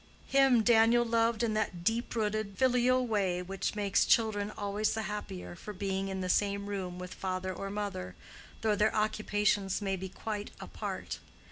Him Daniel loved in that deep rooted filial way which makes children always the happier for being in the same room with father or mother, though their occupations may be quite apart.